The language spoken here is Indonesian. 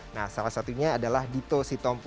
nah salah satunya adalah dito sitompul